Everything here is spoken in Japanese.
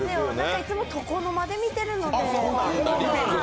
いつも床の間で見ているので。